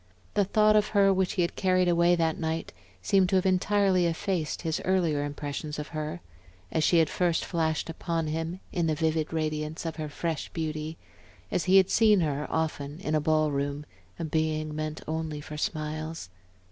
The thought of her which he had carried away that night seemed to have entirely effaced his earlier impressions of her, as she had first flashed upon him in the vivid radiance of her fresh beauty, as he had seen her often in a ball room, a being meant only for smiles.